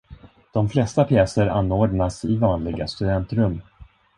De flesta pjäser anordnas i vanliga studentrum.